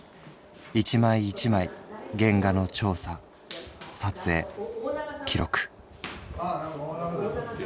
一枚一枚原画の調査撮影記録」。